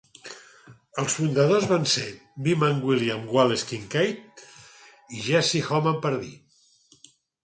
Els fundadors van ser Beeman, William Wallace Kincaid i Jesse Homan Pardee.